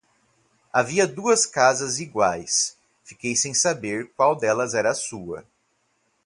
Haviam duas casas iguais, fiquei sem saber qual delas era a sua.